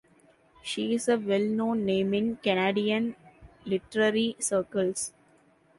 She is a well known name in Canadian literary circles.